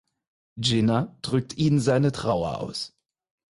Jinnah drückt ihnen seine Trauer aus.